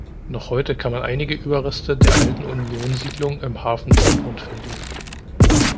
Noch heute kann man einige Überreste der alten Union-Siedlung im Hafen Dortmund finden.